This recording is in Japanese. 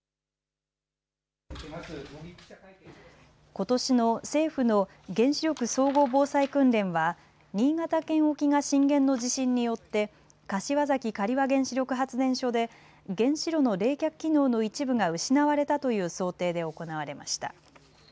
ことしの政府の原子力総合防災訓練は新潟県沖が震源の地震によって柏崎刈羽原子力発電所で原子炉の冷却機能の一部が失われたという想定で行われました。